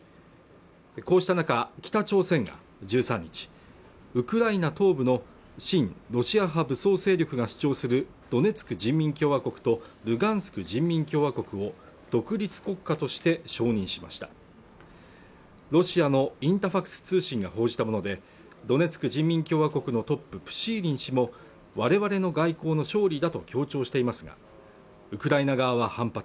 こうした中北朝鮮が１３日ウクライナ東部の親ロシア派武装勢力が主張するドネツク人民共和国とルガンスク人民共和国を独立国家として承認しましたロシアのインタファクス通信が報じたものでドネツク人民共和国のトッププシーリン氏もわれわれの外交の勝利だと強調していますがウクライナ側は反発